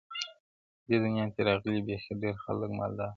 دې دنیا ته دي راغلي بېخي ډېر خلګ مالداره,